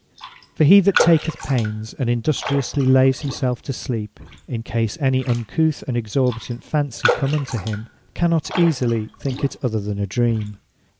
For he that taketh pains, and industriously layes himselfe to sleep, in case any uncouth and exorbitant fancy come unto him, cannot easily think it other than a Dream.